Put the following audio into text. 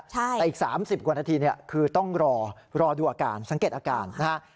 แต่อีก๓๐กว่านาทีคือต้องรอดูอาการสังเกตอาการนะฮะ